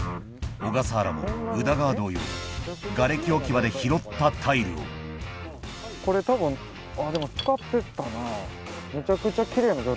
小笠原も宇田川同様がれき置き場で拾ったタイルをあっでも使ってたな。